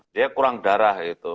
dia kurang darah